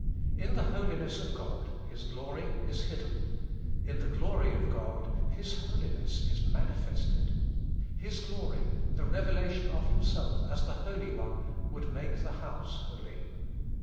In the Holi ness of God His glory is hidden ; in the glory of God His Holiness is manifested: His glory, the revelation of Himself as the Holy One, would make the house holy.